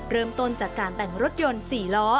เริ่มต้นจากการแต่งรถยนต์๔ล้อ